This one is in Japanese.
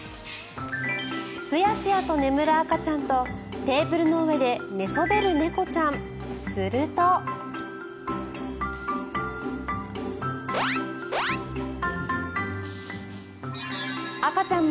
スヤスヤと眠る赤ちゃんとテーブルの上で寝そべる猫ちゃん。